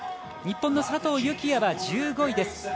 日本の佐藤幸椰は１５位です。